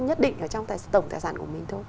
nhất định trong tổng tài sản của mình thôi